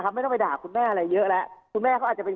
ไม่ต้องไปด่าคุณแม่อะไรเยอะแล้วคุณแม่เขาอาจจะเป็น